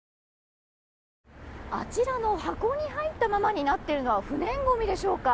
あちらの箱に入ったままになっているのは不燃ごみでしょうか。